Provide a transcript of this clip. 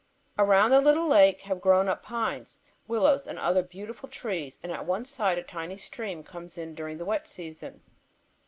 Around the little lake have grown up pines, willows and other beautiful trees, and at one side a tiny stream comes in during the wet season.